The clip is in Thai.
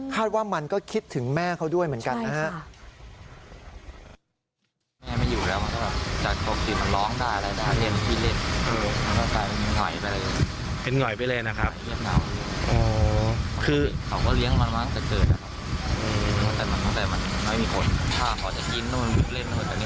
ว่ามันก็คิดถึงแม่เขาด้วยเหมือนกันนะฮะ